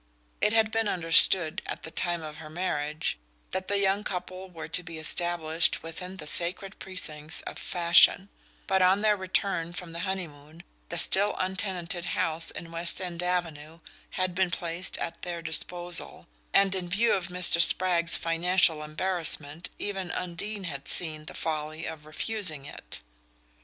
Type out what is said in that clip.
It had been understood, at the time of her marriage, that the young couple were to be established within the sacred precincts of fashion; but on their return from the honeymoon the still untenanted house in West End Avenue had been placed at their disposal, and in view of Mr. Spragg's financial embarrassment even Undine had seen the folly of refusing it.